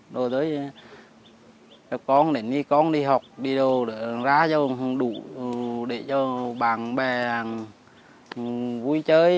rồi rồi cho con đi con đi học đi đâu